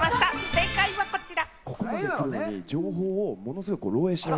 正解はこちら。